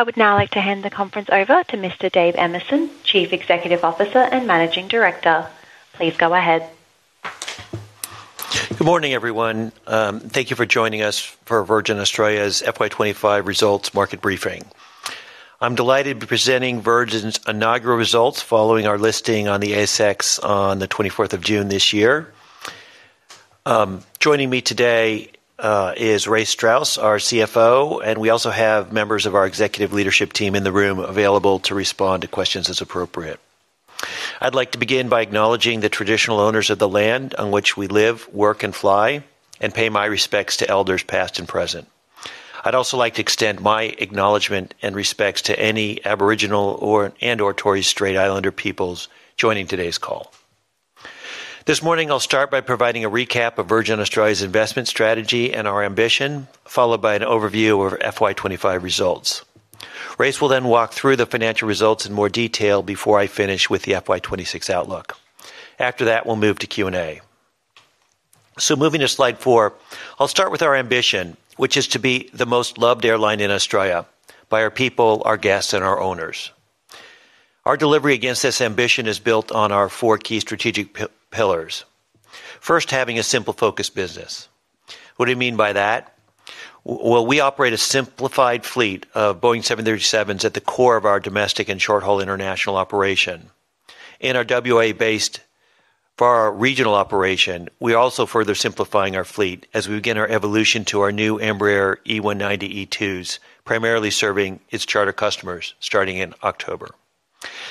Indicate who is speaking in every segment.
Speaker 1: I would now like to hand the conference over to Mr. Dave Emerson, Chief Executive Officer and Managing Director. Please go ahead.
Speaker 2: Good morning, everyone. Thank you for joining us for Virgin Australia's FY 2025 Results Market Briefing. I'm delighted to be presenting Virgin Australia's inaugural results following our listing on the ASX on the 24th of June this year. Joining me today is Race Strauss, our CFO, and we also have members of our executive leadership team in the room available to respond to questions as appropriate. I'd like to begin by acknowledging the traditional owners of the land on which we live, work, and fly, and pay my respects to elders past and present. I'd also like to extend my acknowledgement and respects to any Aboriginal and/or Torres Strait Islander peoples joining today's call. This morning, I'll start by providing a recap of Virgin Australia's investment strategy and our ambition, followed by an overview of FY 2025 results. Race will then walk through the financial results in more detail before I finish with the FY 2026 outlook. After that, we'll move to Q&A. Moving to slide 4, I'll start with our ambition, which is to be the most loved airline in Australia by our people, our guests, and our owners. Our delivery against this ambition is built on our four key strategic pillars. First, having a simple focused business. What do I mean by that? We operate a simplified fleet of Boeing 737s at the core of our domestic and short-haul international operation. In our Western Australia-based far regional operation, we are also further simplifying our fleet as we begin our evolution to our new Embraer E190-E2s, primarily serving its charter customers starting in October.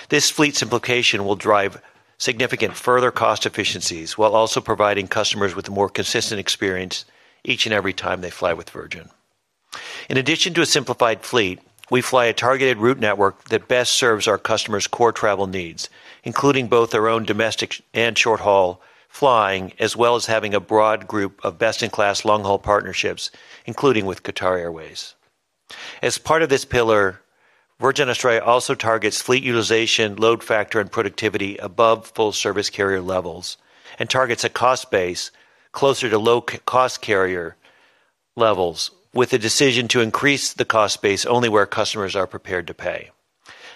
Speaker 2: This fleet simplification will drive significant further cost efficiencies while also providing customers with a more consistent experience each and every time they fly with Virgin Australia. In addition to a simplified fleet, we fly a targeted route network that best serves our customers' core travel needs, including both their own domestic and short-haul flying, as well as having a broad group of best-in-class long-haul partnerships, including with Qatar Airways. As part of this pillar, Virgin Australia also targets fleet utilization, load factor, and productivity above full-service carrier levels and targets a cost base closer to low-cost carrier levels, with a decision to increase the cost base only where customers are prepared to pay.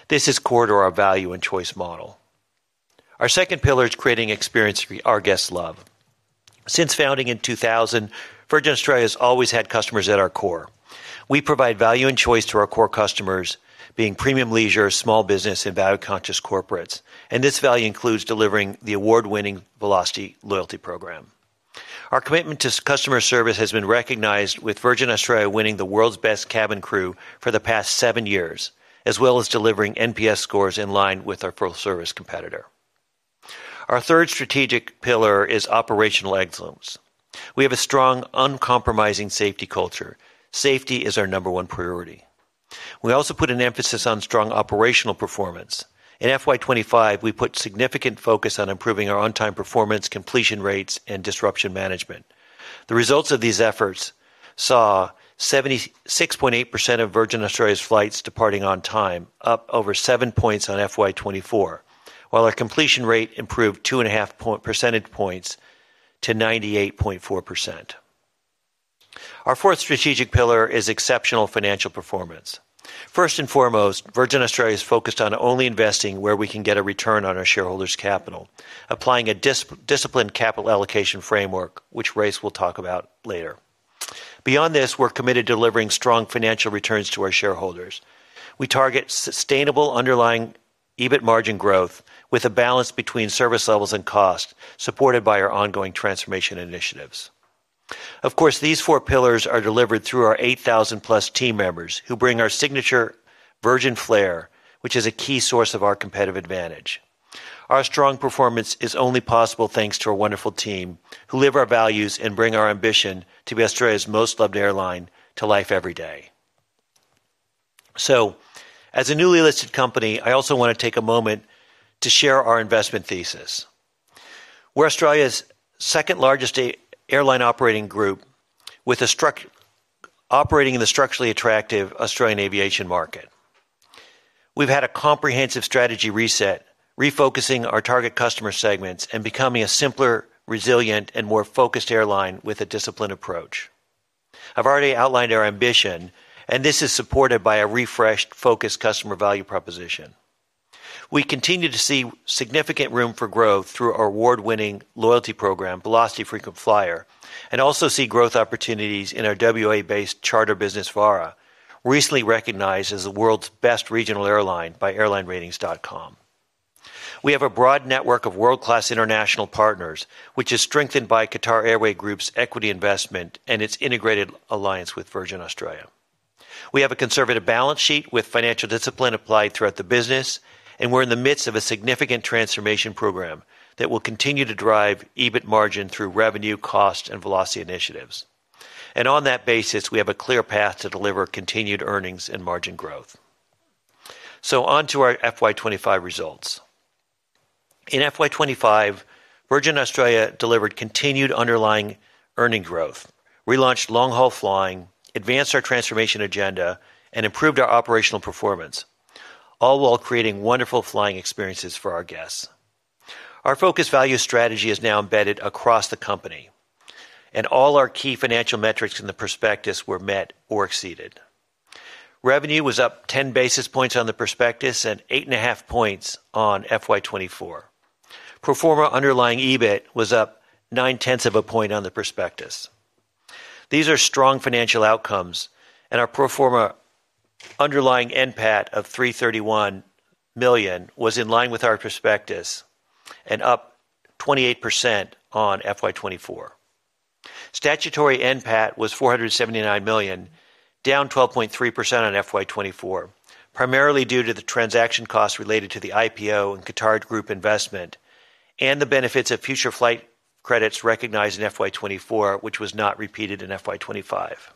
Speaker 2: This is core to our value and choice model. Our second pillar is creating an experience our guests love. Since founding in 2000, Virgin Australia has always had customers at our core. We provide value and choice to our core customers, being premium leisure, small business, and value-conscious corporates, and this value includes delivering the award-winning Velocity loyalty program. Our commitment to customer service has been recognized with Virgin Australia winning the world's best cabin crew for the past seven years, as well as delivering NPS scores in line with our full-service competitor. Our third strategic pillar is operational excellence. We have a strong, uncompromising safety culture. Safety is our number one priority. We also put an emphasis on strong operational performance. In FY 2025, we put significant focus on improving our on-time performance, completion rates, and disruption management. The results of these efforts saw 76.8% of Virgin Australia's flights departing on time, up over seven points on FY 2024, while our completion rate improved 2.5 percentage points to 98.4%. Our fourth strategic pillar is exceptional financial performance. First and foremost, Virgin Australia is focused on only investing where we can get a return on our shareholders' capital, applying a disciplined capital allocation framework, which Race will talk about later. Beyond this, we're committed to delivering strong financial returns to our shareholders. We target sustainable underlying EBIT margin growth with a balance between service levels and cost, supported by our ongoing transformation initiatives. Of course, these four pillars are delivered through our 8,000+ team members who bring our signature Virgin flair, which is a key source of our competitive advantage. Our strong performance is only possible thanks to our wonderful team who live our values and bring our ambition to be Australia's most loved airline to life every day. As a newly listed company, I also want to take a moment to share our investment thesis. We're Australia's second-largest airline operating group operating in the structurally attractive Australian aviation market. We've had a comprehensive strategy reset, refocusing our target customer segments and becoming a simpler, resilient, and more focused airline with a disciplined approach. I've already outlined our ambition, and this is supported by a refreshed, focused customer value proposition. We continue to see significant room for growth through our award-winning loyalty program, Velocity Frequent Flyer, and also see growth opportunities in our WA-based charter business, VARA, recently recognized as the world's best regional airline by airlineratings.com. We have a broad network of world-class international partners, which is strengthened by Qatar Airways Group's equity investment and its integrated alliance with Virgin Australia. We have a conservative balance sheet with financial discipline applied throughout the business, and we're in the midst of a significant transformation program that will continue to drive EBIT margin through revenue, cost, and velocity initiatives. On that basis, we have a clear path to deliver continued earnings and margin growth. On to our FY 2025 results. In FY 2025, Virgin Australia delivered continued underlying earning growth, relaunched long-haul flying, advanced our transformation agenda, and improved our operational performance, all while creating wonderful flying experiences for our guests. Our focused value strategy is now embedded across the company, and all our key financial metrics in the prospectus were met or exceeded. Revenue was up 10 basis points on the prospectus and 8.5 points on FY 2024. Pro forma underlying EBIT was up 0.9 of a point on the prospectus. These are strong financial outcomes, and our pro forma underlying NPAT of $331 million was in line with our prospectus and up 28% on FY 2024. Statutory NPAT was $479 million, down 12.3% on FY 2024, primarily due to the transaction costs related to the IPO and Qatar Group investment and the benefits of future flight credits recognized in FY 2024, which was not repeated in FY 2025.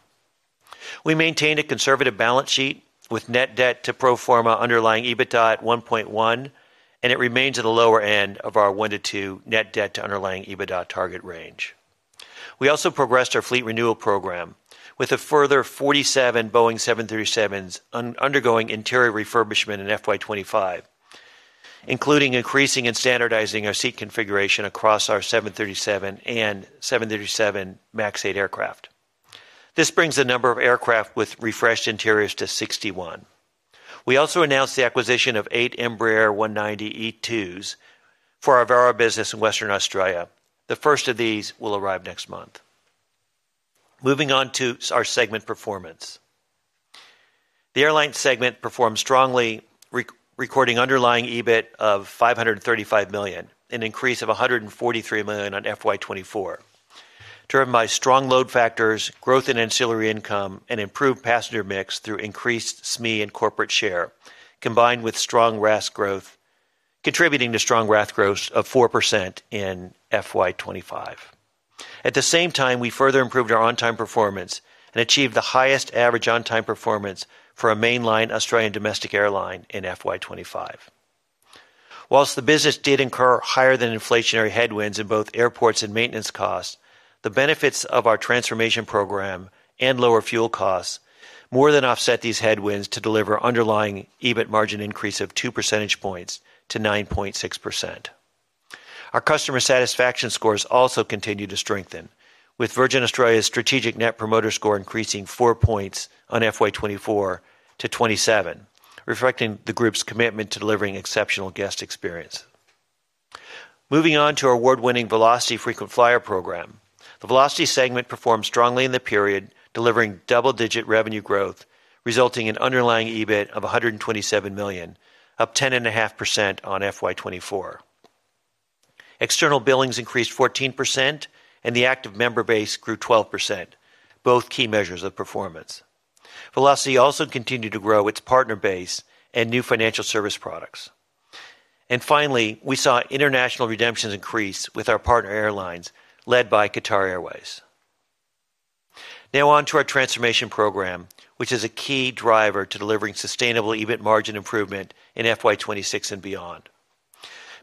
Speaker 2: We maintained a conservative balance sheet with net debt to pro forma underlying EBITDA at 1.1, and it remains at the lower end of our 1 -2 net debt to underlying EBITDA target range. We also progressed our fleet renewal program with a further 47 Boeing 737s undergoing interior refurbishment in FY 2025, including increasing and standardizing our seat configuration across our 737 and 737 MAX 8 aircraft. This brings the number of aircraft with refreshed interiors to 61. We also announced the acquisition of eight Embraer E190-E2s for our VARA business in Western Australia. The first of these will arrive next month. Moving on to our segment performance. The Airlines segment performed strongly, recording underlying EBIT of $535 million, an increase of $143 million on FY 2024, driven by strong load factors, growth in ancillary revenue, and improved passenger mix through increased SME and corporate share, combined with strong RAS growth, contributing to strong RAS growth of 4% in FY 2025. At the same time, we further improved our on-time performance and achieved the highest average on-time performance for a mainline Australian domestic airline in FY 2025. Whilst the business did incur higher than inflationary headwinds in both airports and maintenance costs, the benefits of our transformation initiatives and lower fuel costs more than offset these headwinds to deliver underlying EBIT margin increase of 2 percentage points to 9.6%. Our customer satisfaction scores also continue to strengthen, with Virgin Australia's strategic NPS increasing four points on FY 2024-FY 2027, reflecting the group's commitment to delivering exceptional guest experience. Moving on to our award-winning Velocity Frequent Flyer program, the Velocity segment performed strongly in the period, delivering double-digit revenue growth, resulting in underlying EBIT of $127 million, up 10.5% on FY 2024. External billings increased 14%, and the active member base grew 12%, both key measures of performance. Velocity also continued to grow its partner base and new financial service products. Finally, we saw international redemptions increase with our partner airlines led by Qatar Airways. Now on to our transformation initiatives, which are a key driver to delivering sustainable EBIT margin improvement in FY 2026 and beyond.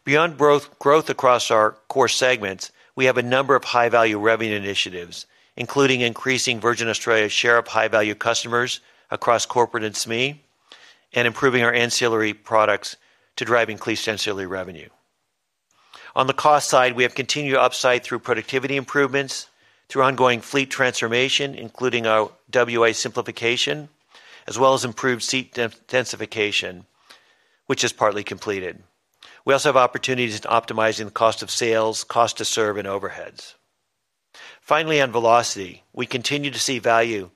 Speaker 2: Beyond growth across our core segments, we have a number of high-value revenue initiatives, including increasing Virgin Australia's share of high-value customers across corporate and SME, and improving our ancillary products to drive increased ancillary revenue. On the cost side, we have continued upside through productivity improvements, through ongoing fleet transformation, including our WA simplification, as well as improved seat densification, which is partly completed. We also have opportunities in optimizing the cost of sales, cost to serve, and overheads. Finally, on Velocity, we continue to see value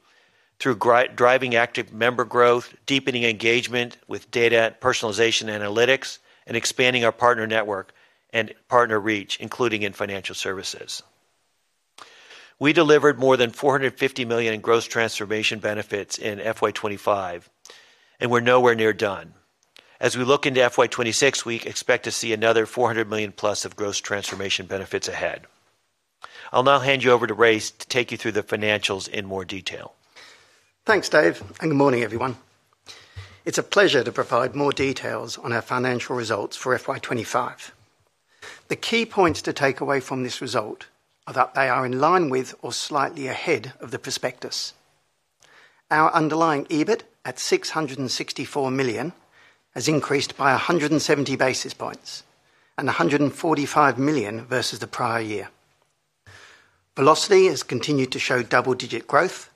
Speaker 2: through driving active member growth, deepening engagement with data and personalization analytics, and expanding our partner network and partner reach, including in financial services. We delivered more than $450 million in gross transformation benefits in FY 2025, and we're nowhere near done. As we look into FY 2026, we expect to see another $400+ million of gross transformation benefits ahead. I'll now hand you over to Race to take you through the financials in more detail.
Speaker 3: Thanks, Dave, and good morning, everyone. It's a pleasure to provide more details on our financial results for FY 2025. The key points to take away from this result are that they are in line with or slightly ahead of the prospectus. Our underlying EBIT at $664 million has increased by 170 basis points and $145 million versus the prior year. Velocity has continued to show double-digit growth,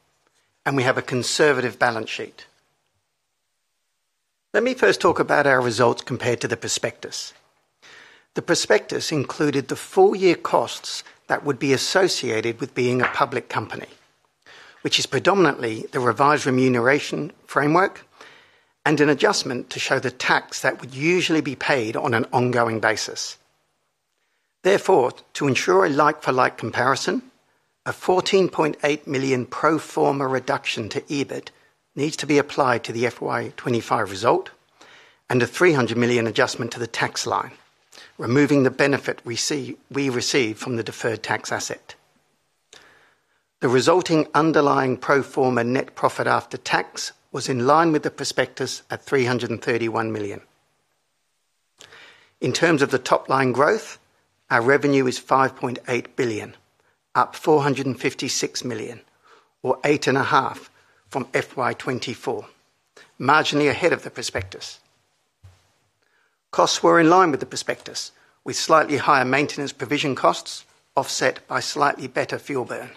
Speaker 3: and we have a conservative balance sheet. Let me first talk about our results compared to the prospectus. The prospectus included the full-year costs that would be associated with being a public company, which is predominantly the revised remuneration framework and an adjustment to show the tax that would usually be paid on an ongoing basis. Therefore, to ensure a like-for-like comparison, a $14.8 million pro forma reduction to EBIT needs to be applied to the FY 2025 result and a $300 million adjustment to the tax line, removing the benefit we receive from the deferred tax asset. The resulting underlying pro forma NPAT was in line with the prospectus at $331 million. In terms of the top-line growth, our revenue is $5.8 billion, up $456 million, or 8.5% from FY 2024, marginally ahead of the prospectus. Costs were in line with the prospectus, with slightly higher maintenance provision costs offset by slightly better fuel burn.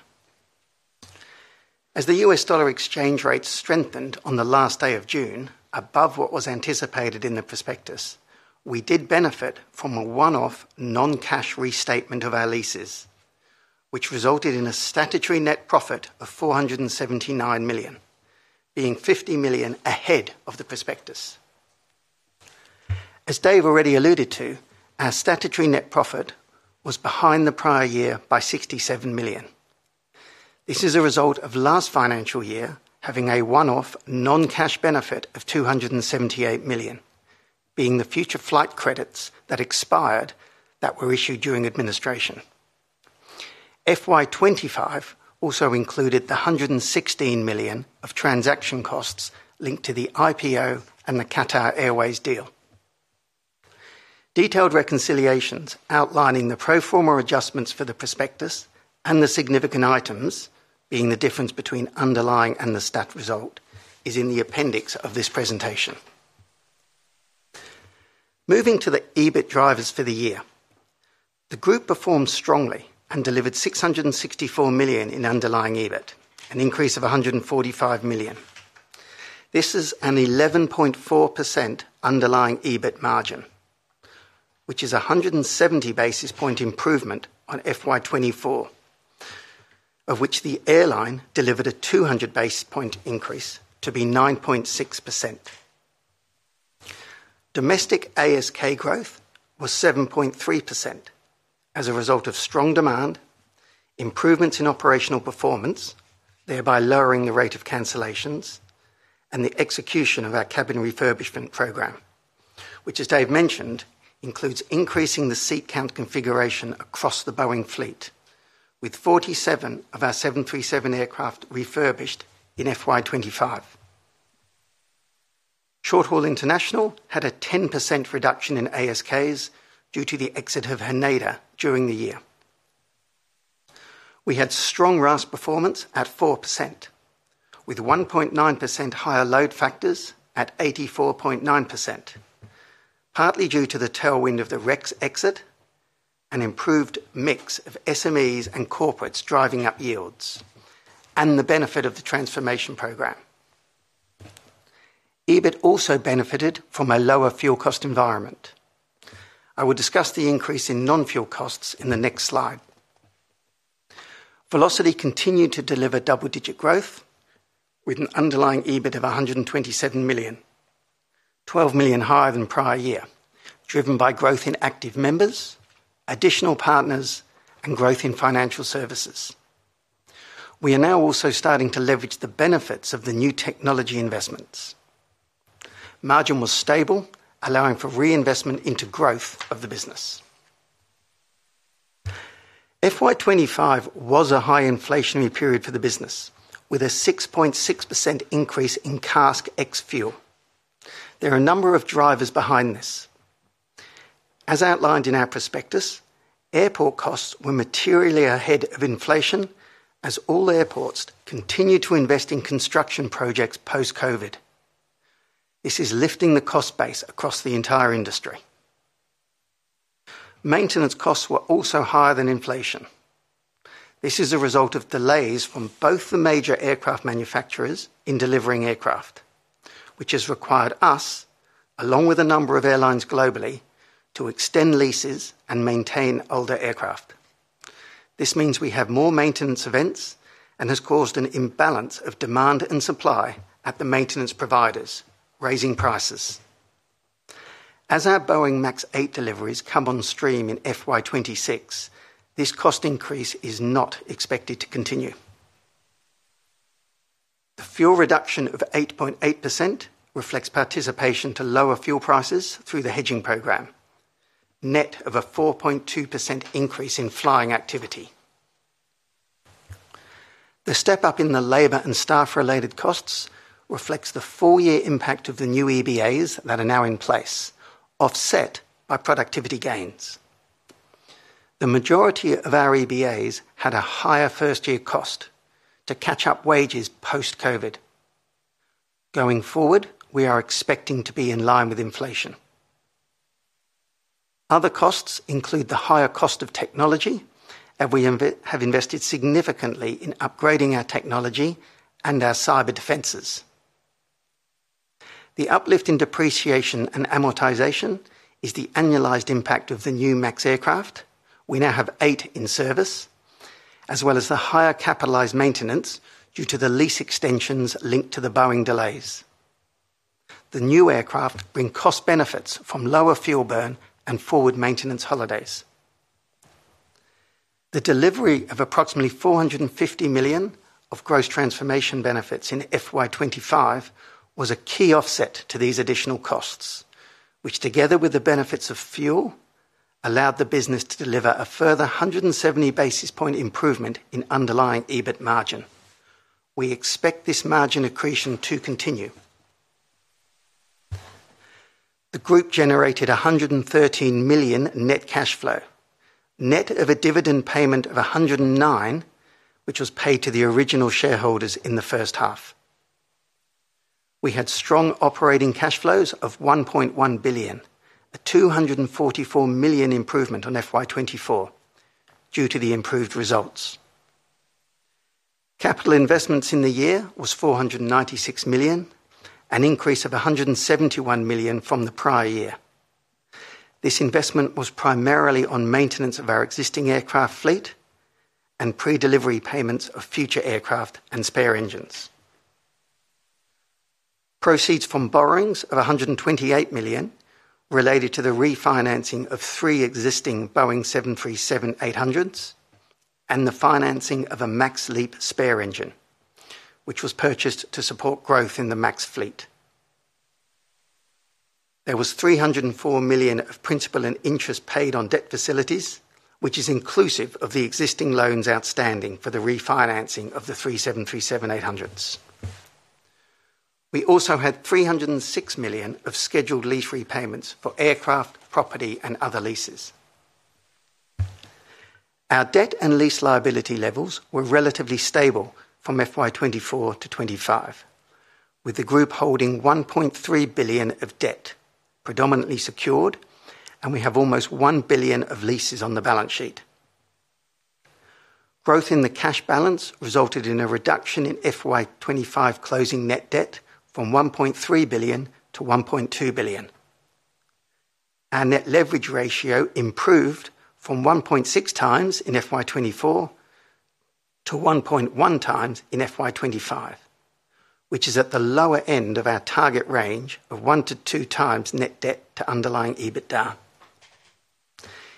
Speaker 3: As the U.S. dollar exchange rates strengthened on the last day of June, above what was anticipated in the prospectus, we did benefit from a one-off non-cash restatement of our leases, which resulted in a statutory net profit of $479 million, being $50 million ahead of the prospectus. As Dave already alluded to, our statutory net profit was behind the prior year by $67 million. This is a result of last financial year having a one-off non-cash benefit of $278 million, being the future flight credits that expired that were issued during administration. FY 2025 also included the $116 million of transaction costs linked to the IPO and the Qatar Airways deal. Detailed reconciliations outlining the pro forma adjustments for the prospectus and the significant items, being the difference between underlying and the statutory result, are in the appendix of this presentation. Moving to the EBIT drivers for the year, the group performed strongly and delivered $664 million in underlying EBIT, an increase of $145 million. This is an 11.4% underlying EBIT margin, which is a 170 basis point improvement on FY 2024, of which the airline delivered a 200 basis point increase to be 9.6%. Domestic ASK growth was 7.3% as a result of strong demand, improvements in operational performance, thereby lowering the rate of cancellations, and the execution of our cabin refurbishment program, which, as David Emerson mentioned, includes increasing the seat count configuration across the Boeing fleet, with 47 of our 737 aircraft refurbished in FY 2025. Short-haul international had a 10% reduction in ASKs due to the exit of Hernada during the year. We had strong RAS performance at 4%, with 1.9% higher load factors at 84.9%, partly due to the tailwind of the Rex exit and improved mix of SMEs and corporates driving up yields and the benefit of the transformation program. EBIT also benefited from a lower fuel cost environment. I will discuss the increase in non-fuel costs in the next slide. Velocity continued to deliver double-digit growth with an underlying EBIT of $127 million, $12 million higher than prior year, driven by growth in active members, additional partners, and growth in financial services. We are now also starting to leverage the benefits of the new technology investments. Margin was stable, allowing for reinvestment into growth of the business. FY 2025 was a high inflationary period for the business, with a 6.6% increase in CASK ex-fuel. There are a number of drivers behind this. As outlined in our prospectus, airport costs were materially ahead of inflation as all airports continued to invest in construction projects post-COVID. This is lifting the cost base across the entire industry. Maintenance costs were also higher than inflation. This is a result of delays from both the major aircraft manufacturers in delivering aircraft, which has required us, along with a number of airlines globally, to extend leases and maintain older aircraft. This means we have more maintenance events and has caused an imbalance of demand and supply at the maintenance providers, raising prices. As our Boeing MAX 8 deliveries come on stream in FY 2026, this cost increase is not expected to continue. The fuel reduction of 8.8% reflects participation to lower fuel prices through the hedging program, net of a 4.2% increase in flying activity. The step up in the labor and staff-related costs reflects the four-year impact of the new EBAs that are now in place, offset by productivity gains. The majority of our EBAs had a higher first-year cost to catch up wages post-COVID. Going forward, we are expecting to be in line with inflation. Other costs include the higher cost of technology, and we have invested significantly in upgrading our technology and our cyber defenses. The uplift in depreciation and amortization is the annualized impact of the new MAX aircraft. We now have eight in service, as well as the higher capitalized maintenance due to the lease extensions linked to the Boeing delays. The new aircraft bring cost benefits from lower fuel burn and forward maintenance holidays. The delivery of approximately $450 million of gross transformation benefits in FY 2025 was a key offset to these additional costs, which together with the benefits of fuel allowed the business to deliver a further 170 basis point improvement in underlying EBIT margin. We expect this margin accretion to continue. The group generated $113 million net cash flow, net of a dividend payment of $109 million, which was paid to the original shareholders in the first half. We had strong operating cash flows of $1.1 billion, a $244 million improvement on FY 2024 due to the improved results. Capital investments in the year was $496 million, an increase of $171 million from the prior year. This investment was primarily on maintenance of our existing aircraft fleet and pre-delivery payments of future aircraft and spare engines. Proceeds from borrowings of $128 million related to the refinancing of three existing Boeing 737-800s and the financing of a MAX LEAP spare engine, which was purchased to support growth in the MAX fleet. There was $304 million of principal and interest paid on debt facilities, which is inclusive of the existing loans outstanding for the refinancing of the three 737-800s. We also had $306 million of scheduled lease repayments for aircraft, property, and other leases. Our debt and lease liability levels were relatively stable from FY 2024-FY 2025, with the group holding $1.3 billion of debt, predominantly secured, and we have almost $1 billion of leases on the balance sheet. Growth in the cash balance resulted in a reduction in FY 2025 closing net debt from $1.3 billion-$1.2 billion. Our net leverage ratio improved from 1.6 times in FY 2024 to 1.1 times in FY 2025, which is at the lower end of our target range of 1-2 times net debt to underlying EBITDA.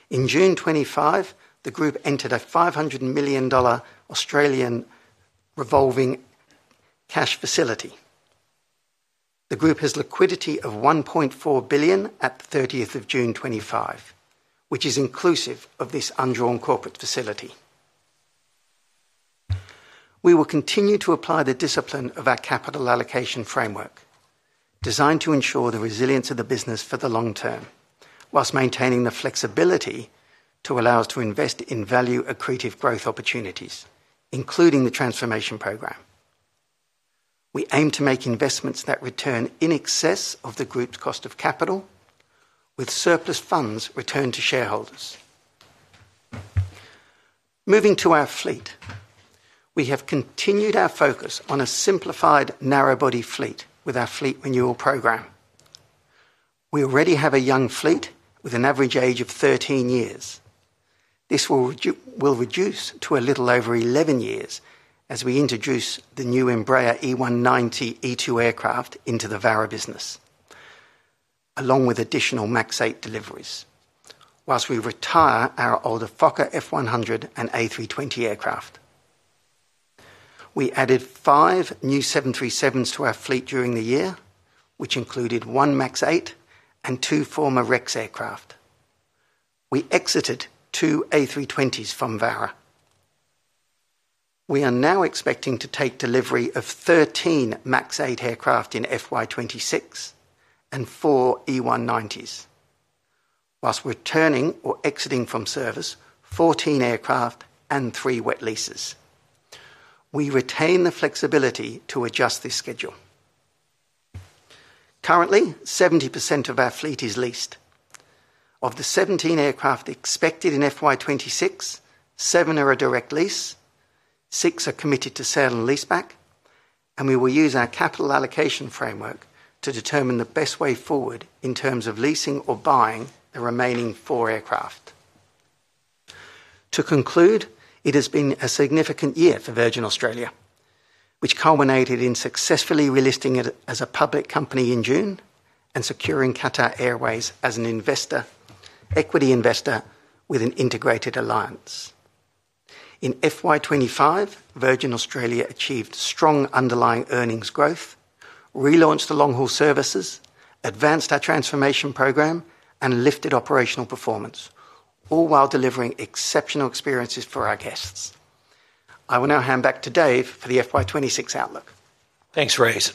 Speaker 3: In June 2025, the group entered a $500 million Australian revolving cash facility. The group has liquidity of $1.4 billion at June 30th, 2025, which is inclusive of this undrawn corporate facility. We will continue to apply the discipline of our capital allocation framework, designed to ensure the resilience of the business for the long term, whilst maintaining the flexibility to allow us to invest in value-accretive growth opportunities, including the transformation program. We aim to make investments that return in excess of the group's cost of capital, with surplus funds returned to shareholders. Moving to our fleet, we have continued our focus on a simplified narrowbody fleet with our fleet renewal program. We already have a young fleet with an average age of 13 years. This will reduce to a little over 11 years as we introduce the new Embraer E190-E2 aircraft into the VARA business, along with additional MAX 8 deliveries, whilst we retire our older Fokker F100 and A320 aircraft. We added five new 737s to our fleet during the year, which included one MAX 8 and two former Rex aircraft. We exited two A320s from VARA. We are now expecting to take delivery of 13 MAX 8 aircraft in FY 2026 and four E190s, whilst returning or exiting from service 14 aircraft and three wet leases. We retain the flexibility to adjust this schedule. Currently, 70% of our fleet is leased. Of the 17 aircraft expected in FY 2026, seven are a direct lease, six are committed to sale and leaseback, and we will use our capital allocation framework to determine the best way forward in terms of leasing or buying the remaining four aircraft. To conclude, it has been a significant year for Virgin Australia, which culminated in successfully relisting it as a public company in June and securing Qatar Airways as an equity investor with an integrated alliance. In FY 2025, Virgin Australia achieved strong underlying earnings growth, relaunched the long-haul services, advanced our transformation program, and lifted operational performance, all while delivering exceptional experiences for our guests. I will now hand back to Dave for the FY 2026 outlook.
Speaker 2: Thanks, Race.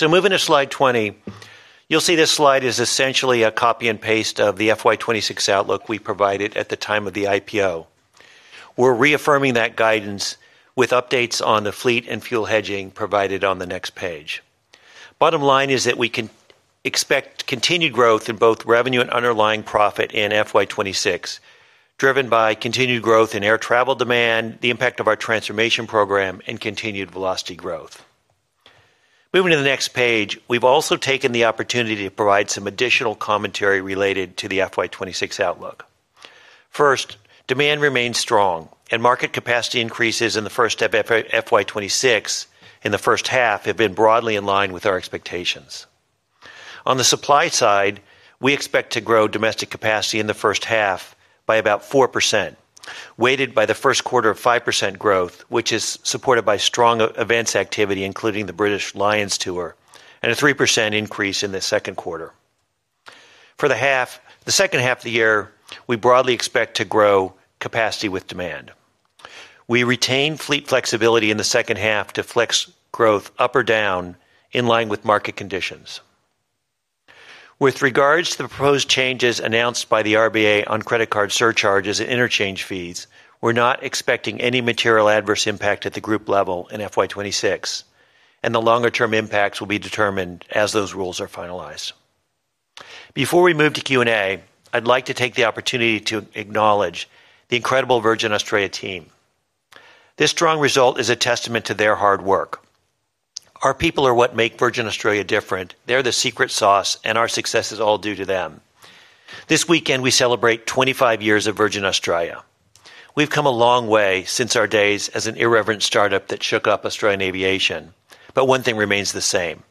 Speaker 2: Moving to slide 20, you'll see this slide is essentially a copy and paste of the FY 2026 outlook we provided at the time of the IPO. We're reaffirming that guidance with updates on the fleet and fuel hedging provided on the next page. The bottom line is that we can expect continued growth in both revenue and underlying profit in FY 2026, driven by continued growth in air travel demand, the impact of our transformation program, and continued Velocity growth. Moving to the next page, we've also taken the opportunity to provide some additional commentary related to the FY 2026 outlook. First, demand remains strong and market capacity increases in the first half of FY 2026 have been broadly in line with our expectations. On the supply side, we expect to grow domestic capacity in the first half by about 4%, weighted by the first quarter of 5% growth, which is supported by strong events activity, including the British Lions Tour, and a 3% increase in the second quarter. For the second half of the year, we broadly expect to grow capacity with demand. We retain fleet flexibility in the second half to flex growth up or down in line with market conditions. With regards to the proposed changes announced by the RBA on credit card surcharges and interchange fees, we're not expecting any material adverse impact at the group level in FY 2026, and the longer-term impacts will be determined as those rules are finalized. Before we move to Q&A, I'd like to take the opportunity to acknowledge the incredible Virgin Australia team. This strong result is a testament to their hard work. Our people are what make Virgin Australia different. They're the secret sauce, and our success is all due to them. This weekend, we celebrate 25 years of Virgin Australia. We've come a long way since our days as an irreverent startup that shook up Australian aviation, but one thing remains the same: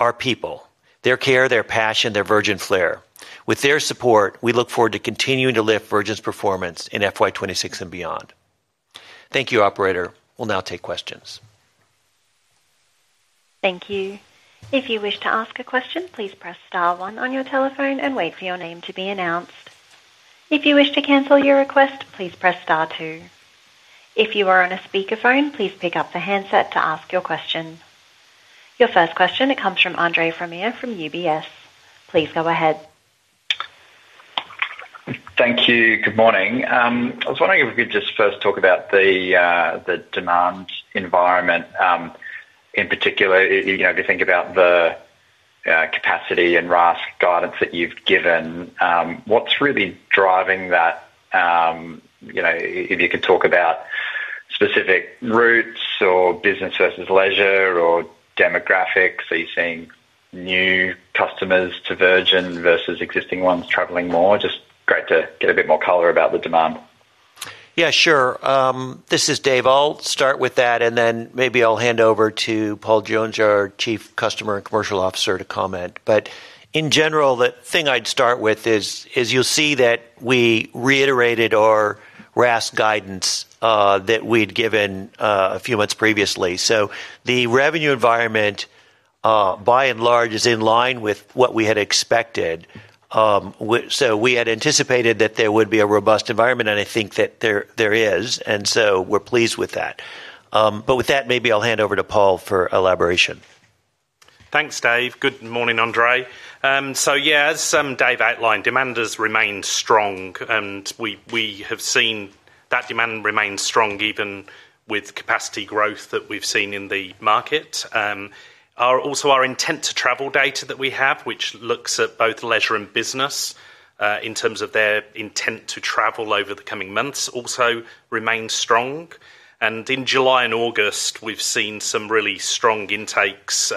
Speaker 2: our people, their care, their passion, their Virgin flair. With their support, we look forward to continuing to lift Virgin's performance in FY 2026 and beyond. Thank you, operator. We'll now take questions.
Speaker 1: Thank you. If you wish to ask a question, please press star one on your telephone and wait for your name to be announced. If you wish to cancel your request, please press star two. If you are on a speaker phone, please pick up the handset to ask your question. Your first question comes from Andre Fromyhr from UBS. Please go ahead.
Speaker 4: Thank you. Good morning. I was wondering if we could just first talk about the demand environment. In particular, if you think about the capacity and RAS guidance that you've given, what's really driving that? If you could talk about specific routes or business versus leisure or demographics, are you seeing new customers to Virgin Australia versus existing ones traveling more? Just great to get a bit more color about the demand.
Speaker 2: Yeah, sure. This is Dave. I'll start with that, and then maybe I'll hand over to Paul Jones, our Chief Customer and Commercial Officer, to comment. In general, the thing I'd start with is you'll see that we reiterated our RAS guidance that we'd given a few months previously. The revenue environment, by and large, is in line with what we had expected. We had anticipated that there would be a robust environment, and I think that there is, and we're pleased with that. With that, maybe I'll hand over to Paul for elaboration.
Speaker 5: Thanks, Dave. Good morning, Andre. As Dave outlined, demand has remained strong, and we have seen that demand remain strong even with capacity growth that we've seen in the market. Also, our intent to travel data that we have, which looks at both leisure and business in terms of their intent to travel over the coming months, also remains strong. In July and August, we've seen some really strong intakes.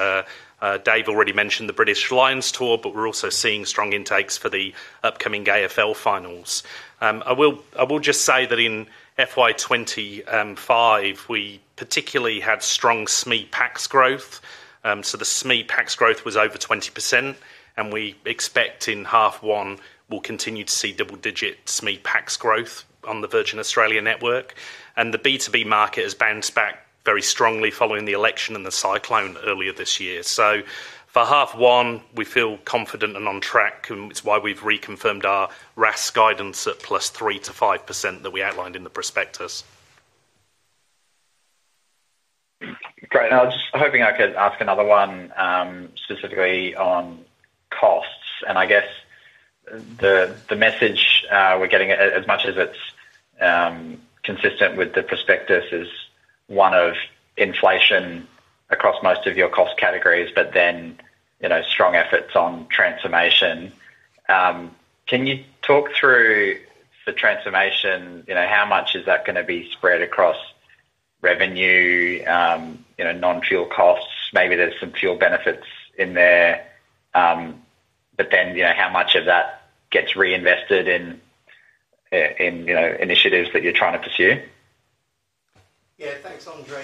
Speaker 5: Dave already mentioned the British Lions Tour, but we're also seeing strong intakes for the upcoming AFL finals. I will just say that in FY 2025, we particularly had strong SME PACS growth. The SME PACS growth was over 20%, and we expect in half one, we'll continue to see double-digit SME PACS growth on the Virgin Australia network. The B2B market has bounced back very strongly following the election and the cyclone earlier this year. For half one, we feel confident and on track, and it's why we've reconfirmed our RAS guidance at +3% to +5% that we outlined in the prospectus.
Speaker 4: Great. I was just hoping I could ask another one specifically on costs, and I guess the message we're getting, as much as it's consistent with the prospectus, is one of inflation across most of your cost categories, but then, you know, strong efforts on transformation. Can you talk through for transformation, you know, how much is that going to be spread across revenue, you know, non-fuel costs? Maybe there's some fuel benefits in there, but then, you know, how much of that gets reinvested in, you know, initiatives that you're trying to pursue?
Speaker 3: Yeah, thanks, Andre.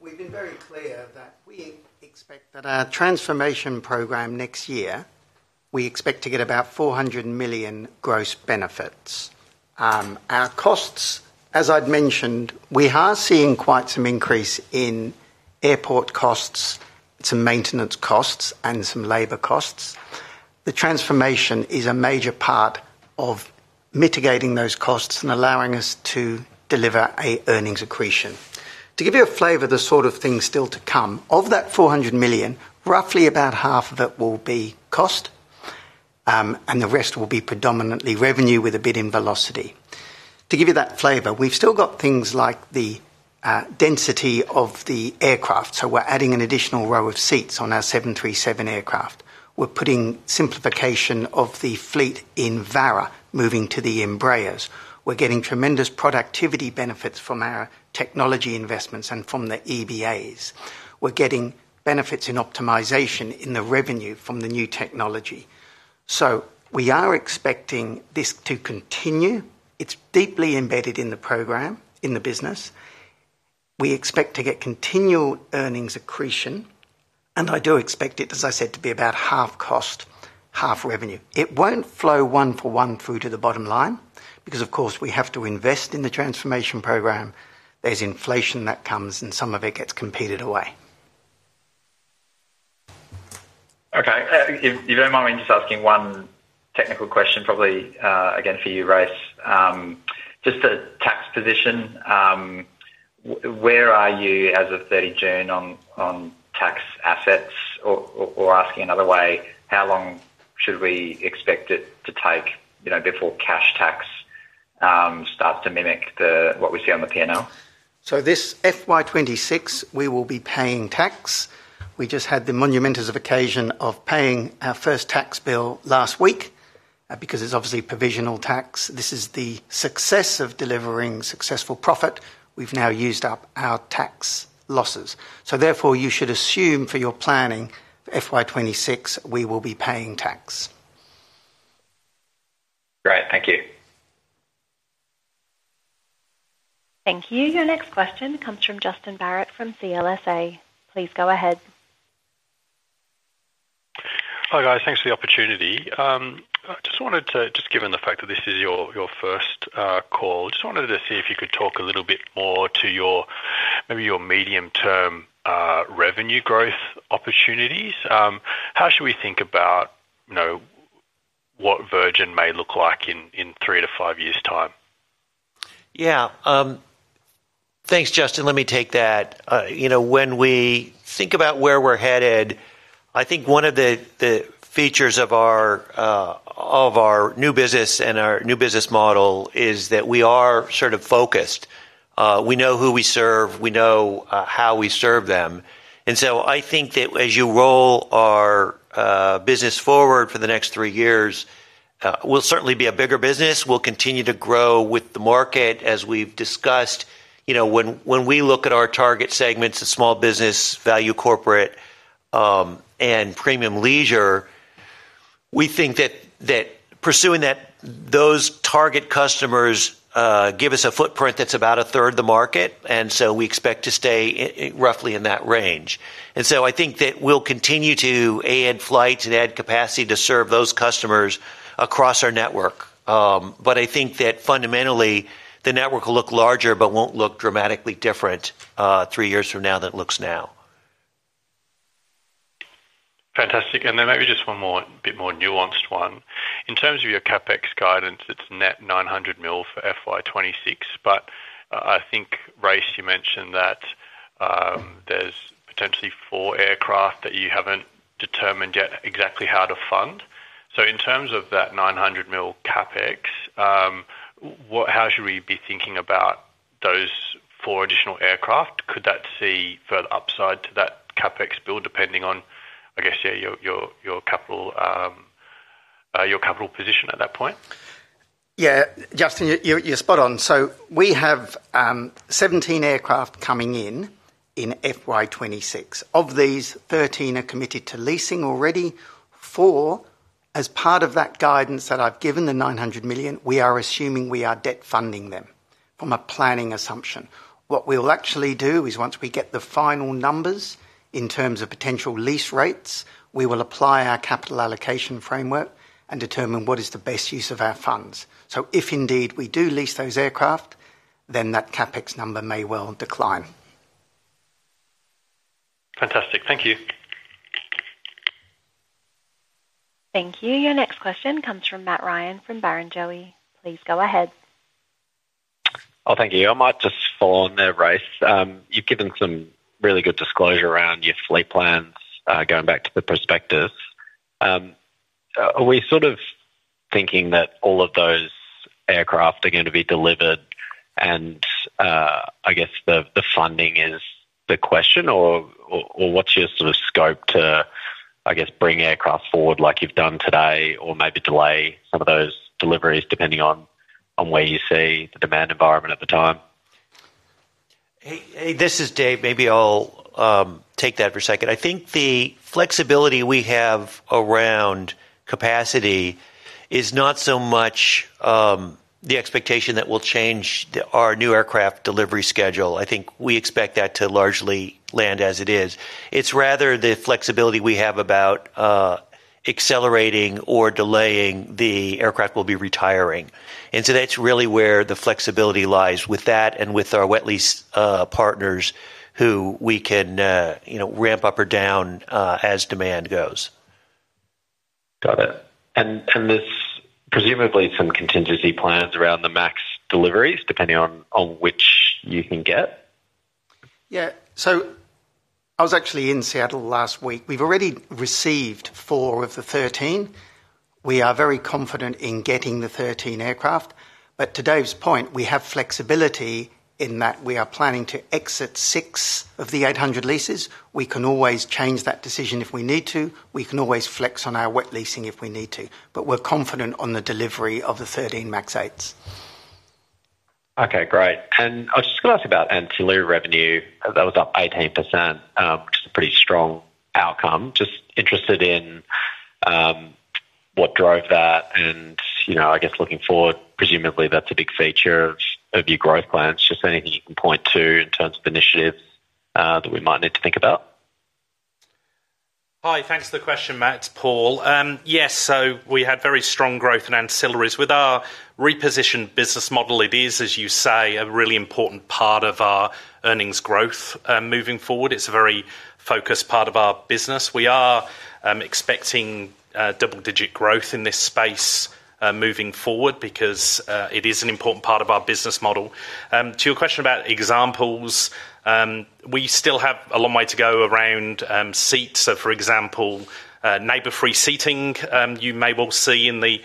Speaker 3: We've been very clear that we expect that our transformation program next year, we expect to get about $400 million gross benefits. Our costs, as I'd mentioned, we are seeing quite some increase in airport costs, some maintenance costs, and some labor costs. The transformation is a major part of mitigating those costs and allowing us to deliver an earnings accretion. To give you a flavor, the sort of things still to come, of that $400 million, roughly about half of it will be cost, and the rest will be predominantly revenue with a bit in Velocity. To give you that flavor, we've still got things like the density of the aircraft. We're adding an additional row of seats on our Boeing 737 aircraft. We're putting simplification of the fleet in VARA, moving to the Embraer E190-E2s. We're getting tremendous productivity benefits from our technology investments and from the EBAs. We're getting benefits in optimization in the revenue from the new technology. We are expecting this to continue. It's deeply embedded in the program, in the business. We expect to get continual earnings accretion, and I do expect it, as I said, to be about half cost, half revenue. It won't flow one for one through to the bottom line because, of course, we have to invest in the transformation program. There's inflation that comes, and some of it gets competed away.
Speaker 4: Okay. If you don't mind me just asking one technical question, probably again for you, Race, just the tax position. Where are you as of 30th of June on tax assets? Or asking another way, how long should we expect it to take before cash tax starts to mimic what we see on the P&L?
Speaker 3: For FY 2026, we will be paying tax. We just had the monumental occasion of paying our first tax bill last week because it's obviously provisional tax. This is the success of delivering successful profit. We've now used up our tax losses, therefore, you should assume for your planning for FY 2026, we will be paying tax.
Speaker 4: Great, thank you.
Speaker 1: Thank you. Your next question comes from Justin Barratt from CLSA. Please go ahead.
Speaker 6: Hi, guys. Thanks for the opportunity. I just wanted to, given the fact that this is your first call, see if you could talk a little bit more to your maybe your medium-term revenue growth opportunities. How should we think about what Virgin Australia may look like in 3-5 years' time?
Speaker 2: Yeah. Thanks, Justin. Let me take that. You know, when we think about where we're headed, I think one of the features of our new business and our new business model is that we are sort of focused. We know who we serve. We know how we serve them. I think that as you roll our business forward for the next three years, we'll certainly be a bigger business. We'll continue to grow with the market as we've discussed. You know, when we look at our target segments of small business, value corporate, and premium leisure, we think that pursuing those target customers gives us a footprint that's about a third of the market. We expect to stay roughly in that range. I think that we'll continue to add flights and add capacity to serve those customers across our network. I think that fundamentally, the network will look larger but won't look dramatically different three years from now than it looks now.
Speaker 6: Fantastic. Maybe just one more bit more nuanced one. In terms of your CapEx guidance, it's net $900 million for FY 2026, but I think, Race, you mentioned that there's potentially four aircraft that you haven't determined yet exactly how to fund. In terms of that $900 million CapEx, how should we be thinking about those four additional aircraft? Could that see further upside to that CapEx bill depending on, I guess, your capital position at that point?
Speaker 3: Yeah, Justin, you're spot on. We have 17 aircraft coming in in FY 2026. Of these, 13 are committed to leasing already. Four, as part of that guidance that I've given, the $900 million, we are assuming we are debt funding them from a planning assumption. What we will actually do is once we get the final numbers in terms of potential lease rates, we will apply our capital allocation framework and determine what is the best use of our funds. If indeed we do lease those aircraft, then that CapEx number may well decline.
Speaker 6: Fantastic. Thank you.
Speaker 1: Thank you. Your next question comes from Matt Ryan from Barrenjoey. Please go ahead.
Speaker 7: Thank you. I might just follow on there, Race. You've given some really good disclosure around your fleet plans going back to the prospectus. Are we sort of thinking that all of those aircraft are going to be delivered, and I guess the funding is the question, or what's your sort of scope to bring aircraft forward like you've done today or maybe delay some of those deliveries depending on where you see the demand environment at the time?
Speaker 2: Hey, this is Dave. Maybe I'll take that for a second. I think the flexibility we have around capacity is not so much the expectation that we'll change our new aircraft delivery schedule. I think we expect that to largely land as it is. It's rather the flexibility we have about accelerating or delaying the aircraft we'll be retiring. That's really where the flexibility lies with that and with our wet lease partners who we can, you know, ramp up or down as demand goes.
Speaker 7: There are presumably some contingency plans around the max deliveries depending on which you can get.
Speaker 3: Yeah, so I was actually in Seattle last week. We've already received 4 of the 13. We are very confident in getting the 13 aircraft. To Dave's point, we have flexibility in that we are planning to exit 6 of the 800 leases. We can always change that decision if we need to. We can always flex on our wet leasing if we need to. We're confident on the delivery of the 13 MAX 8s.
Speaker 7: Okay, great. I was just going to ask you about ancillary revenue that was up 18%, which is a pretty strong outcome. Just interested in what drove that and, you know, I guess looking forward, presumably that's a big feature of your growth plans. Just anything you can point to in terms of initiatives that we might need to think about.
Speaker 5: Hi, thanks for the question, Matt. It's Paul. Yes, we had very strong growth in ancillaries. With our repositioned business model, it is, as you say, a really important part of our earnings growth moving forward. It's a very focused part of our business. We are expecting double-digit growth in this space moving forward because it is an important part of our business model. To your question about examples, we still have a long way to go around seats. For example, neighbor-free seating, you may well see in the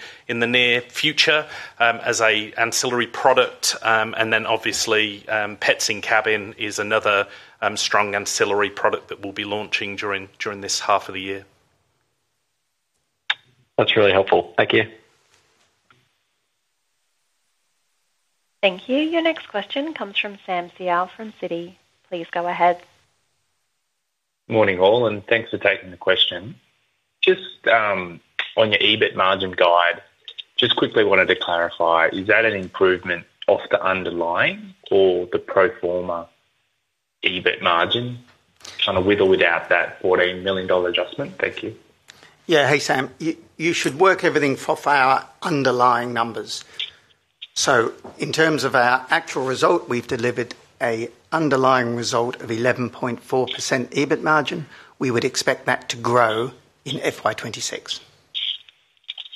Speaker 5: near future as an ancillary product. Obviously, pets in cabin is another strong ancillary product that we'll be launching during this half of the year.
Speaker 7: That's really helpful. Thank you.
Speaker 1: Thank you. Your next question comes from Sam Seow from Citi. Please go ahead.
Speaker 8: Morning all, and thanks for taking the question. Just on your EBIT margin guide, just quickly wanted to clarify, is that an improvement off the underlying or the pro forma EBIT margin, with or without that $14 million adjustment? Thank you.
Speaker 3: Yeah, hey Sam, you should work everything off our underlying numbers. In terms of our actual result, we've delivered an underlying result of 11.4% EBIT margin. We would expect that to grow in FY 2026.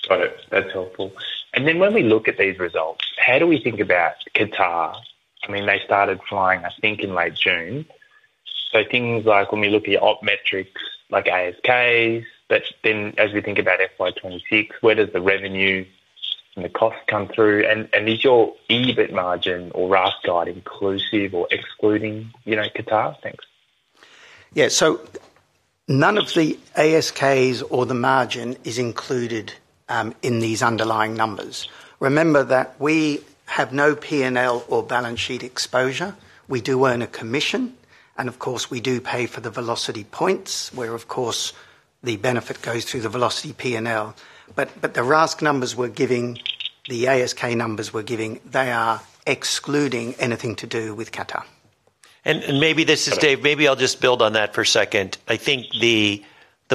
Speaker 8: Got it. That's helpful. When we look at these results, how do we think about Qatar? I mean, they started flying, I think, in late June. When we look at your op metrics, like ASKs, as we think about FY 2026, where does the revenue and the cost come through? Is your EBIT margin or RAS guide inclusive or excluding, you know, Qatar? Thanks.
Speaker 3: None of the ASKs or the margin is included in these underlying numbers. Remember that we have no P&L or balance sheet exposure. We do earn a commission, and of course, we do pay for the Velocity points where, of course, the benefit goes through the Velocity P&L. The RAS numbers we're giving, the ASK numbers we're giving, they are excluding anything to do with Qatar Airways.
Speaker 2: Maybe I'll just build on that for a second. I think the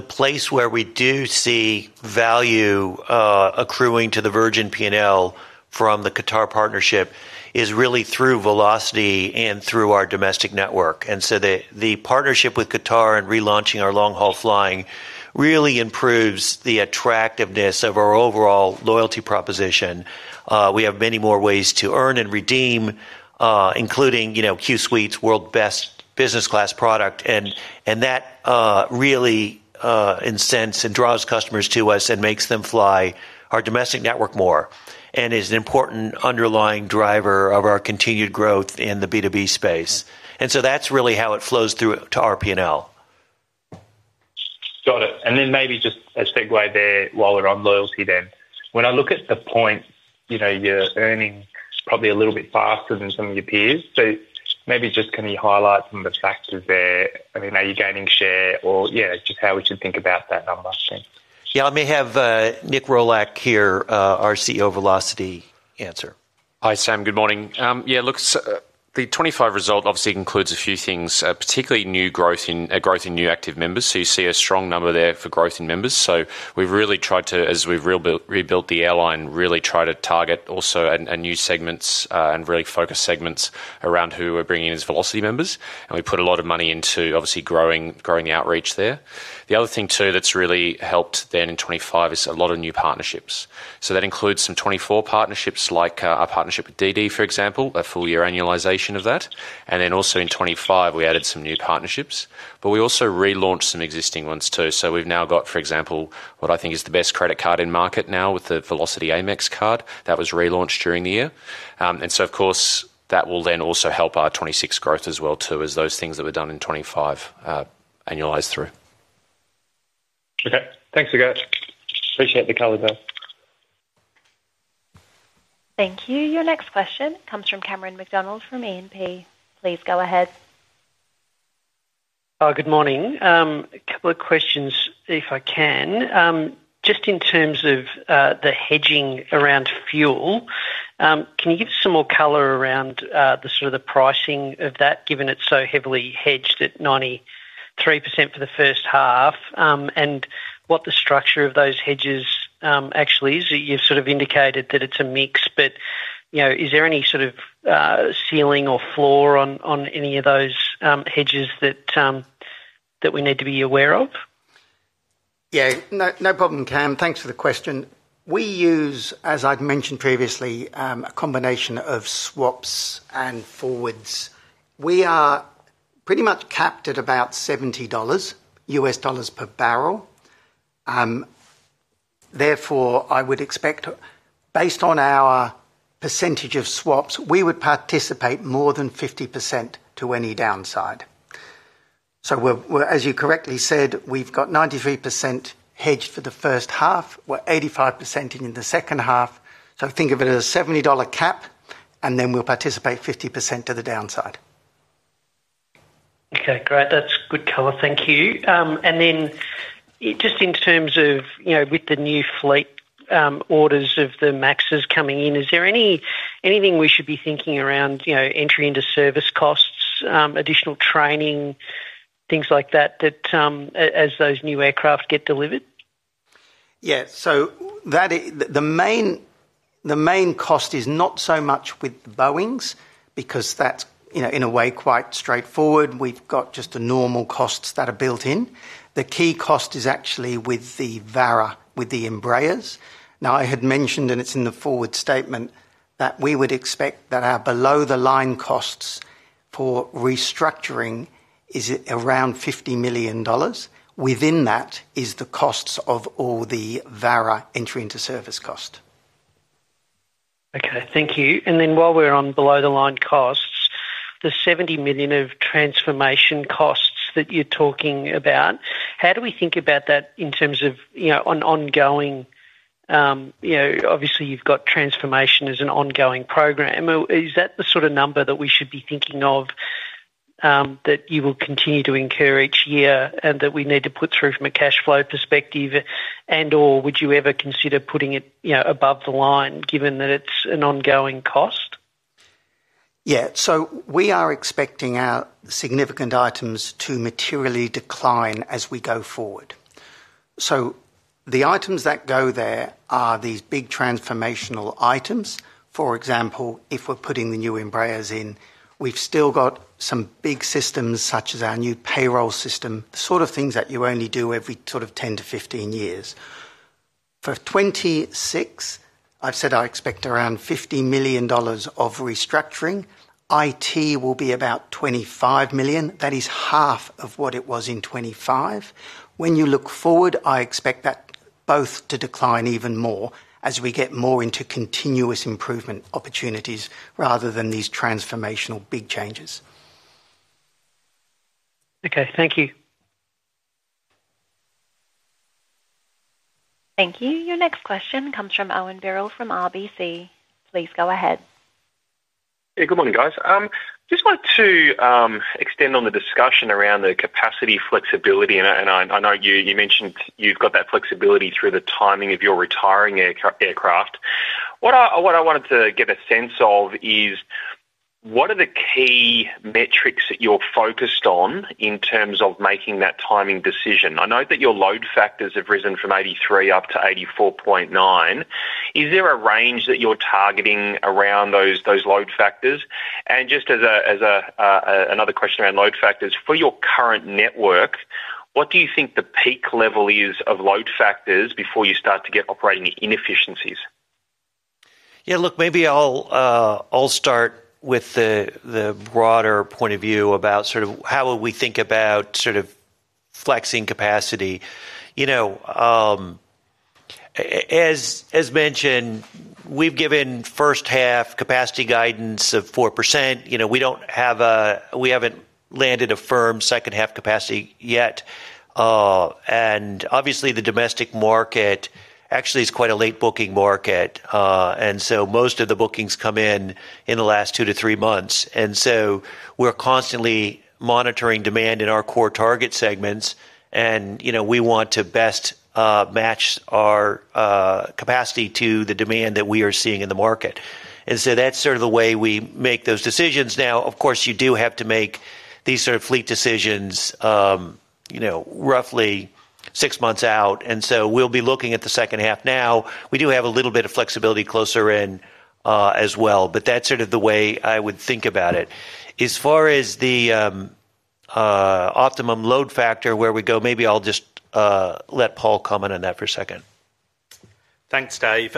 Speaker 2: place where we do see value accruing to the Virgin Australia P&L from the Qatar Airways partnership is really through Velocity and through our domestic network. The partnership with Qatar Airways and relaunching our long-haul flying really improves the attractiveness of our overall loyalty proposition. We have many more ways to earn and redeem, including, you know, Q Suites, world's best business class product. That really incents and draws customers to us and makes them fly our domestic network more and is an important underlying driver of our continued growth in the B2B space. That's really how it flows through to our P&L.
Speaker 8: Got it. Maybe just a segue there while we're on loyalty. When I look at the point, you know, you're earning probably a little bit faster than some of your peers. Can you highlight some of the factors there? I mean, are you gaining share or just how we should think about that number?
Speaker 2: Let me have Nick Rohrlach, our CEO of Velocity, answer.
Speaker 9: Hi Sam, good morning. Yeah, it looks like the 2025 result obviously includes a few things, particularly new growth in new active members. You see a strong number there for growth in members. We've really tried to, as we've rebuilt the airline, really try to target also new segments and really focus segments around who we're bringing as Velocity members. We put a lot of money into obviously growing the outreach there. The other thing that's really helped in 2025 is a lot of new partnerships. That includes some 2024 partnerships like our partnership with DiDi, for example, a full year annualization of that. In 2025, we added some new partnerships. We also relaunched some existing ones too. We've now got, for example, what I think is the best credit card in market now with the Velocity Amex card that was relaunched during the year. Of course, that will then also help our 2026 growth as well, as those things that were done in 2025 annualize through.
Speaker 8: Okay, thanks again. Appreciate the color, though.
Speaker 1: Thank you. Your next question comes from Cameron McDonald from E&P. Please go ahead.
Speaker 10: Good morning. A couple of questions if I can. Just in terms of the hedging around fuel, can you give us some more color around the sort of the pricing of that given it's so heavily hedged at 93% for the first half and what the structure of those hedges actually is? You've indicated that it's a mix, but you know, is there any sort of ceiling or floor on any of those hedges that we need to be aware of?
Speaker 3: Yeah, no problem, Cam. Thanks for the question. We use, as I've mentioned previously, a combination of swaps and forwards. We are pretty much capped at about $70 per barrel. Therefore, I would expect, based on our percentage of swaps, we would participate more than 50% to any downside. As you correctly said, we've got 93% hedged for the first half. We're 85% in the second half. Think of it as a $70 cap, and then we'll participate 50% to the downside.
Speaker 10: Okay, great. That's good color. Thank you. In terms of, you know, with the new fleet orders of the MAXs coming in, is there anything we should be thinking around, you know, entry into service costs, additional training, things like that as those new aircraft get delivered?
Speaker 3: Yeah, the main cost is not so much with the Boeings because that's, you know, in a way quite straightforward. We've got just the normal costs that are built in. The key cost is actually with VARA, with the Embraers. I had mentioned, and it's in the forward statement, that we would expect that our below-the-line costs for restructuring is around $50 million. Within that is the cost of all the VARA entry into service cost.
Speaker 10: Okay, thank you. While we're on below-the-line costs, the $70 million of transformation costs that you're talking about, how do we think about that in terms of an ongoing, you know, obviously you've got transformation as an ongoing program. Is that the sort of number that we should be thinking of that you will continue to incur each year and that we need to put through from a cash flow perspective? Would you ever consider putting it above the line given that it's an ongoing cost?
Speaker 3: Yeah, we are expecting our significant items to materially decline as we go forward. The items that go there are these big transformational items. For example, if we're putting the new Embraers in, we've still got some big systems such as our new payroll system, the sort of things that you only do every 10-15 years. For 2026, I've said I expect around $50 million of restructuring. IT will be about $25 million. That is half of what it was in 2025. When you look forward, I expect that both to decline even more as we get more into continuous improvement opportunities rather than these transformational big changes.
Speaker 10: Okay, thank you.
Speaker 1: Thank you. Your next question comes from Owen Birrell from RBC. Please go ahead.
Speaker 11: Hey, good morning, guys. I just wanted to extend on the discussion around the capacity flexibility, and I know you mentioned you've got that flexibility through the timing of your retiring aircraft. What I wanted to get a sense of is what are the key metrics that you're focused on in terms of making that timing decision? I know that your load factors have risen from 83% up to 84.9%. Is there a range that you're targeting around those load factors? Just as another question around load factors, for your current network, what do you think the peak level is of load factors before you start to get operating inefficiencies?
Speaker 2: Yeah, look, maybe I'll start with the broader point of view about how we think about flexing capacity. As mentioned, we've given first half capacity guidance of 4%. We don't have a, we haven't landed a firm second half capacity yet. Obviously, the domestic market actually is quite a late booking market. Most of the bookings come in in the last 2-3 months. We're constantly monitoring demand in our core target segments. We want to best match our capacity to the demand that we are seeing in the market. That's the way we make those decisions. Of course, you do have to make these fleet decisions roughly six months out. We'll be looking at the second half now. We do have a little bit of flexibility closer in as well. That's the way I would think about it. As far as the optimum load factor where we go, maybe I'll just let Paul comment on that for a second.
Speaker 3: Thanks, Dave.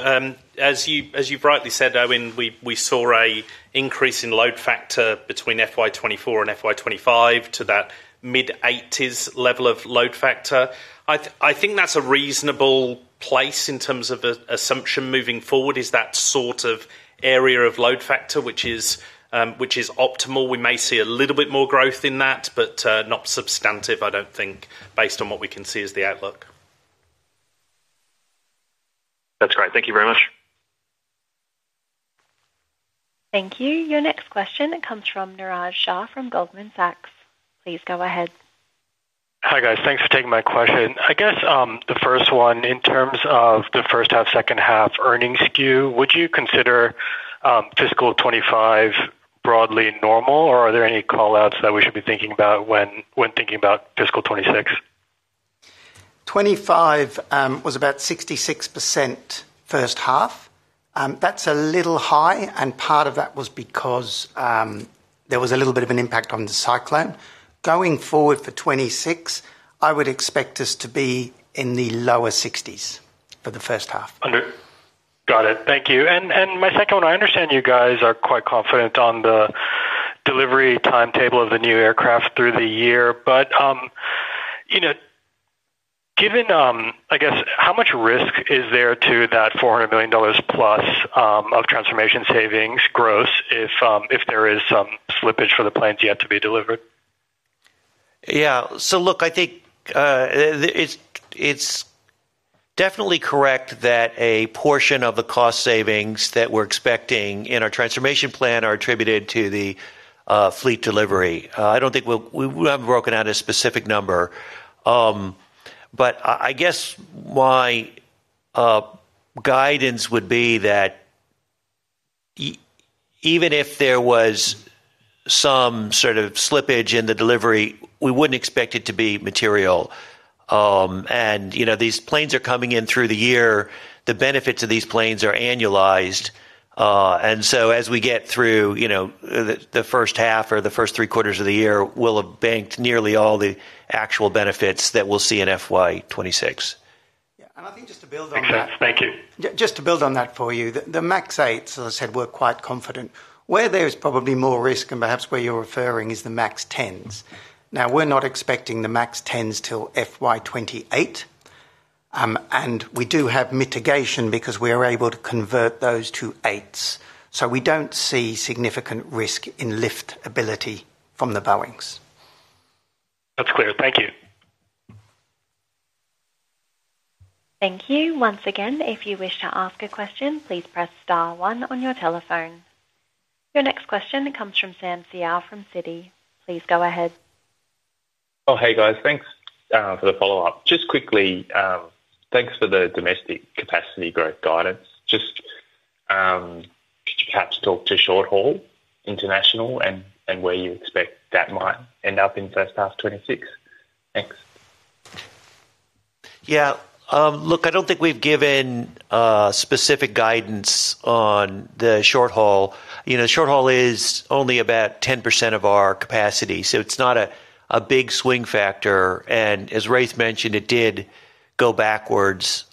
Speaker 3: As you've rightly said, Owen, we saw an increase in load factor between FY 2024 and FY 2025 to that mid-80% level of load factor. I think that's a reasonable place in terms of the assumption moving forward is that sort of area of load factor, which is optimal. We may see a little bit more growth in that, but not substantive, I don't think, based on what we can see as the outlook.
Speaker 11: That's great. Thank you very much.
Speaker 1: Thank you. Your next question comes from Niraj Shah from Goldman Sachs. Please go ahead.
Speaker 12: Hi, guys. Thanks for taking my question. I guess the first one, in terms of the first half, second half earnings skew, would you consider fiscal 2025 broadly normal, or are there any callouts that we should be thinking about when thinking about fiscal 2026?
Speaker 3: FY 2025 was about 66% first half. That's a little high, and part of that was because there was a little bit of an impact on the cyclone. Going forward for FY 2026, I would expect us to be in the lower 60% for the first half.
Speaker 12: Got it. Thank you. My second one, I understand you guys are quite confident on the delivery timetable of the new aircraft through the year, but given, I guess, how much risk is there to that $400+ million of transformation savings gross if there is some slippage for the planes yet to be delivered?
Speaker 2: Yeah, so look, I think it's definitely correct that a portion of the cost savings that we're expecting in our transformation plan are attributed to the fleet delivery. I don't think we haven't broken out a specific number. My guidance would be that even if there was some sort of slippage in the delivery, we wouldn't expect it to be material. You know, these planes are coming in through the year. The benefits of these planes are annualized. As we get through the first half or the first three quarters of the year, we'll have banked nearly all the actual benefits that we'll see in FY 2026.
Speaker 3: Yeah, I think just to build on that.
Speaker 12: Thank you.
Speaker 3: Just to build on that for you, the MAX 8s, as I said, we're quite confident. Where there's probably more risk and perhaps where you're referring is the MAX 10s. We're not expecting the MAX 10s till FY 2028, and we do have mitigation because we are able to convert those to 8s. We don't see significant risk in lift ability from the Boeings.
Speaker 12: That's clear. Thank you.
Speaker 1: Thank you. Once again, if you wish to ask a question, please press star one on your telephone. Your next question comes from Sam Seow from Citi. Please go ahead.
Speaker 8: Oh, hey guys, thanks for the follow-up. Just quickly, thanks for the domestic capacity growth guidance. Could you perhaps talk to short haul international and where you expect that might end up in first half 2026? Thanks.
Speaker 2: Yeah, look, I don't think we've given specific guidance on the short haul. You know, short haul is only about 10% of our capacity, so it's not a big swing factor. As Race mentioned, it did go backwards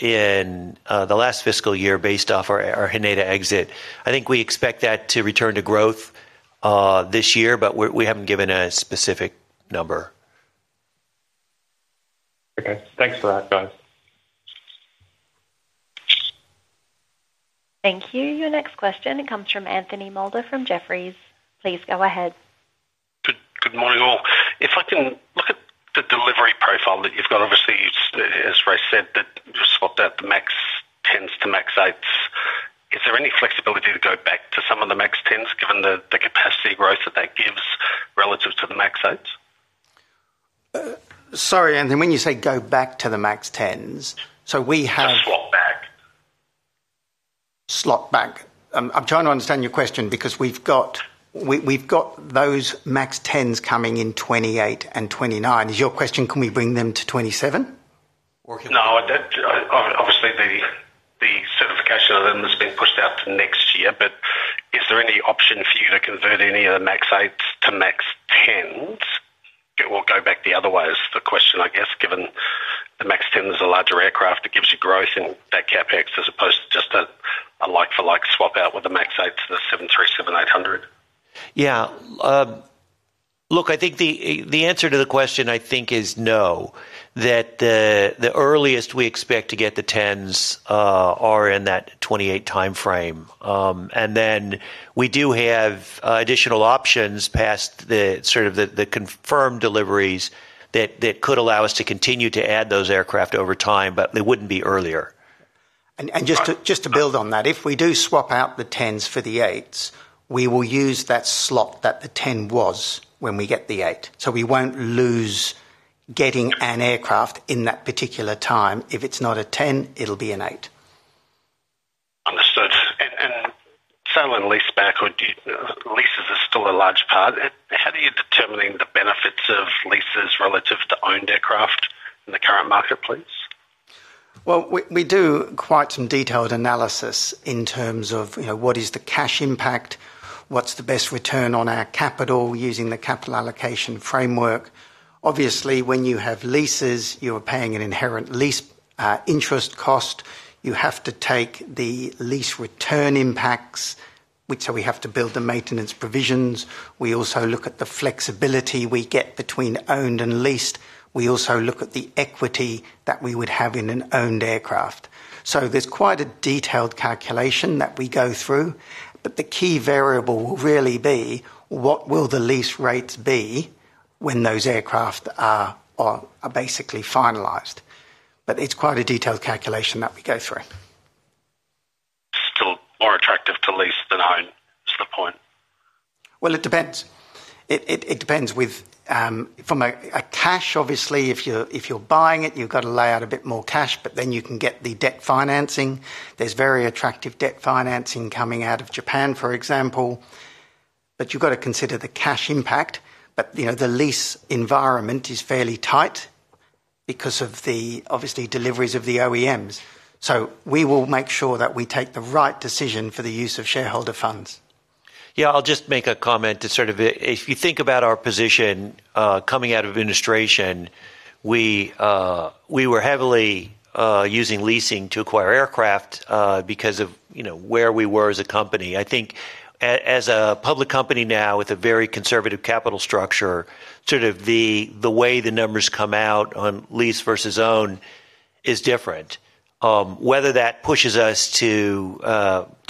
Speaker 2: in the last fiscal year based off our Haneda exit. I think we expect that to return to growth this year, but we haven't given a specific number.
Speaker 8: Okay, thanks for that, Dave.
Speaker 1: Thank you. Your next question comes from Anthony Moulder from Jefferies. Please go ahead.
Speaker 13: Good morning all. If I can look at the delivery profile that you've got, obviously, as Race said, that you've spotted the MAX 10s to MAX 8s. Is there any flexibility to go back to some of the MAX 10s given the capacity growth that that gives relative to the MAX 8s?
Speaker 3: Sorry, Anthony, when you say go back to the MAX 10s, we have.
Speaker 2: Slot back.
Speaker 3: Slot back. I'm trying to understand your question because we've got those MAX 10s coming in 2028 and 2029. Is your question, can we bring them to 2027?
Speaker 13: No, obviously the certification of them is being pushed out to next year, but is there any option for you to convert any of the MAX 8s to MAX 10s? It will go back the other way is the question, I guess, given the MAX 10s are larger aircraft. It gives you growth in that CapEx as opposed to just a like-for-like swap out with the MAX 8s to the 737-800.
Speaker 2: I think the answer to the question is no, the earliest we expect to get the 10s are in that 2028 timeframe. We do have additional options past the sort of the confirmed deliveries that could allow us to continue to add those aircraft over time, but it wouldn't be earlier.
Speaker 3: If we do swap out the 10s for the 8s, we will use that slot that the 10 was when we get the 8. We won't lose getting an aircraft in that particular time. If it's not a 10, it'll be an 8.
Speaker 13: Understood. On lease backward, leases are still a large part. How do you determine the benefits of leases relative to owned aircraft in the current marketplace?
Speaker 3: We do quite some detailed analysis in terms of what is the cash impact, what's the best return on our capital using the capital allocation framework. Obviously, when you have leases, you are paying an inherent lease interest cost. You have to take the lease return impacts, which means we have to build the maintenance provisions. We also look at the flexibility we get between owned and leased. We also look at the equity that we would have in an owned aircraft. There's quite a detailed calculation that we go through, but the key variable will really be what will the lease rates be when those aircraft are basically finalized. It's quite a detailed calculation that we go through.
Speaker 13: Still more attractive to lease than own, is the point.
Speaker 3: It depends from a cash, obviously, if you're buying it, you've got to lay out a bit more cash, but then you can get the debt financing. There's very attractive debt financing coming out of Japan, for example. You have to consider the cash impact. You know, the lease environment is fairly tight because of the obvious deliveries of the OEMs. We will make sure that we take the right decision for the use of shareholder funds.
Speaker 2: I'll just make a comment to sort of, if you think about our position coming out of administration, we were heavily using leasing to acquire aircraft because of where we were as a company. I think as a public company now with a very conservative capital structure, the way the numbers come out on lease versus own is different. Whether that pushes us to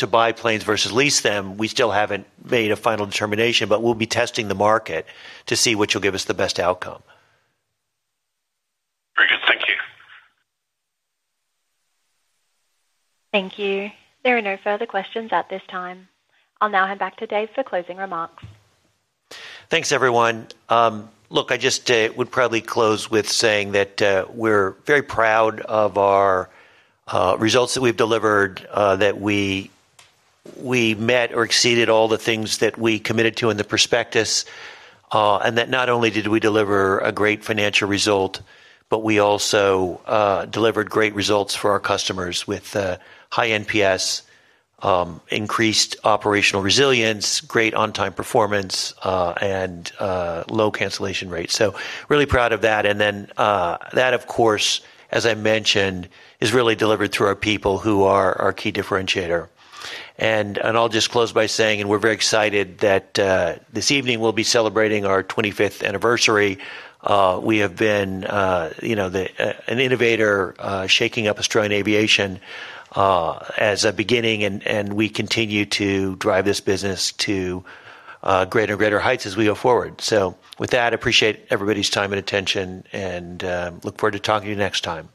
Speaker 2: buy planes versus lease them, we still haven't made a final determination, but we'll be testing the market to see which will give us the best outcome.
Speaker 13: Very good. Thank you.
Speaker 1: Thank you. There are no further questions at this time. I'll now hand back to David Emerson for closing remarks.
Speaker 2: Thanks, everyone. I just would probably close with saying that we're very proud of our results that we've delivered, that we met or exceeded all the things that we committed to in the prospectus, and that not only did we deliver a great financial result, but we also delivered great results for our customers with high NPS, increased operational resilience, great on-time performance, and low cancellation rates. I'm really proud of that. That, of course, as I mentioned, is really delivered through our people who are our key differentiator. I'll just close by saying we're very excited that this evening we'll be celebrating our 25th anniversary. We have been an innovator shaking up Australian aviation as a beginning, and we continue to drive this business to greater and greater heights as we go forward. With that, I appreciate everybody's time and attention, and look forward to talking to you next time.